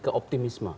keoperasikan itu ya